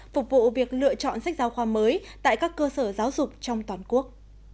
phục vụ việc lựa chọn sách giáo khoa mới tại các cơ sở giáo dục trong toàn quốc